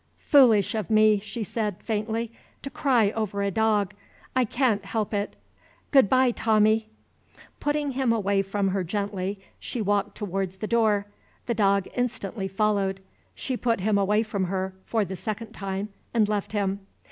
"Foolish of me," she said, faintly, "to cry over a dog. I can't help it. Good by, Tommie!" Putting him away from her gently, she walked towards the door. The dog instantly followed. She put him away from her, for the second time, and left him.